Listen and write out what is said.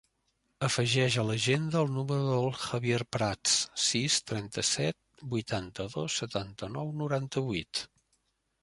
Afegeix a l'agenda el número del Javier Prats: sis, trenta-set, vuitanta-dos, setanta-nou, noranta-vuit.